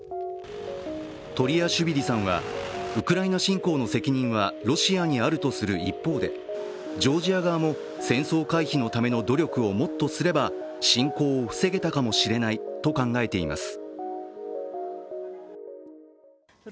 トリアシュビリさんはウクライナ侵攻の責任はロシアにあるとする一方で、ジョージア側も戦争回避のための努力をもっとすれば、侵攻を防げたかもしれないと考えています。